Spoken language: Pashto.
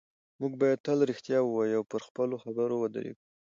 موږ باید تل رښتیا ووایو او پر خپلو خبرو ودرېږو